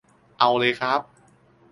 เอาเลยครับ